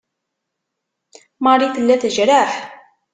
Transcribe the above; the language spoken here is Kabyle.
Marie tella tejreḥ.